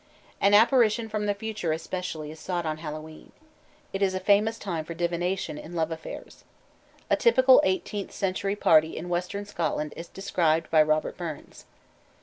An apparition from the future especially is sought on Hallowe'en. It is a famous time for divination in love affairs. A typical eighteenth century party in western Scotland is described by Robert Burns.